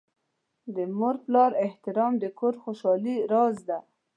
د مور پلار احترام د کور د خوشحالۍ راز دی.